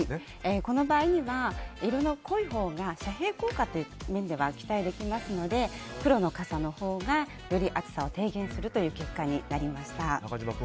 この場合には、色の濃いほうが遮蔽効果という面では期待できますので黒の傘のほうがより暑さを低減するという結果になりました。